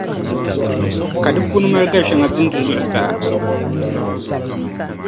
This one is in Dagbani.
Ka di puuni mali gar’ shɛŋa din du zuɣusaa.